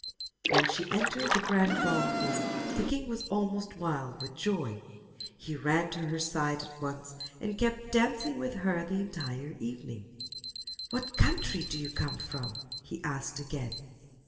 When she entered the grand ball room the king was almost wild with joy. He ran to her side at once and kept dancing with her the entire evening. "What country do you come from?" he asked again.